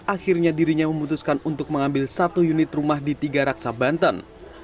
akhirnya dirinya memutuskan untuk mengambil satu unit rumah di tiga raksa banten